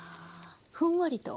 ふんわりと。